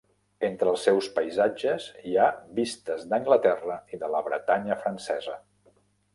Entre els seus paisatges hi ha vistes d'Anglaterra i de la Bretanya francesa.